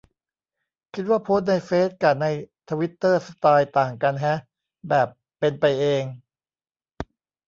คิดว่าโพสต์ในเฟซกะในทวิตเตอร์สไตล์ต่างกันแฮะ แบบ "เป็นไปเอง"